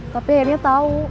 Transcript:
tapi akhirnya tahu